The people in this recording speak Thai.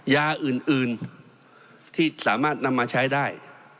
ยาอื่นที่สามารถนำมาใช้ได้